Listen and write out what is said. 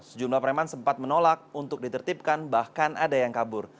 sejumlah preman sempat menolak untuk ditertibkan bahkan ada yang kabur